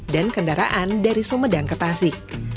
dan kendaraan dari sumedang ke tasik